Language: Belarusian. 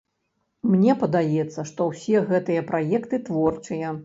Мне падаецца, што ўсе гэтыя праекты творчыя.